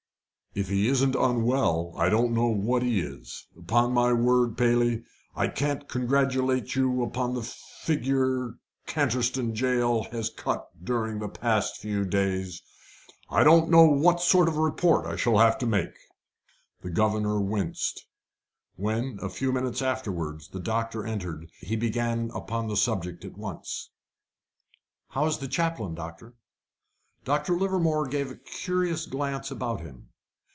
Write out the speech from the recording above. "If he isn't unwell, I don't know what he is. Upon my word, Paley, I can't congratulate you upon the figure Canterstone Jail has cut during the last few days. I don't know what sort of report I shall have to make." The governor winced. When, a few minutes afterwards, the doctor entered, he began upon the subject at once. "How is the chaplain, doctor?" Dr. Livermore gave a curious glance about him.